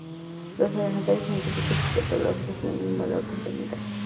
Los adelantos científicos y cartográficos tenían un valor complementario.